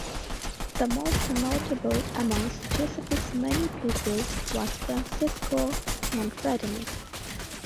The most notable amongst Giuseppe's many pupils was Francesco Manfredini.